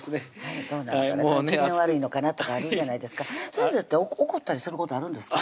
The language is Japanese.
どうなのかな機嫌悪いのかなとかあるじゃないですか先生って怒ったりすることあるんですか？